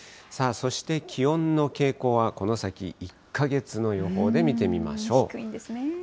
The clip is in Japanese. そして気温の傾向はこの先１か月の予報で見てみましょう。